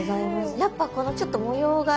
やっぱこのちょっと模様がいいですね